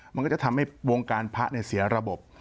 มันก็จะทำให้วงการพระเสียระบบ